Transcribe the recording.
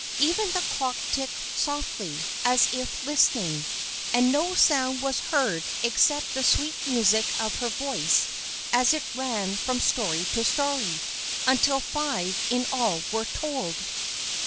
Even the clock ticked softly, as if listening, and no sound was heard except the sweet music of her voice as it ran from story to story, until five in all were told.